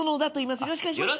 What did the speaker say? よろしくお願いします。